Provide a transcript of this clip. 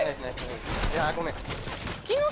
いやごめん。